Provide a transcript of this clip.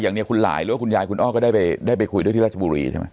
อย่างนี้คุณหลายหรือว่าคุณยายคุณอ้อก็ได้ไปคุยด้วยที่ราชบุรีใช่ไหม